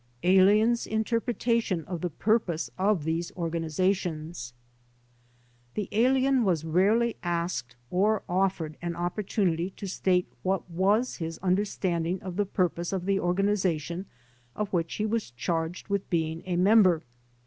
C. Aliens' Interpretation of the Purpose of these Organizations The alien was rarely asked or offered an opportunity to state what was his understanding of the purpose of the organization of which he was charged with being a member.